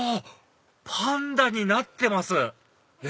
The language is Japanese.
パンダになってます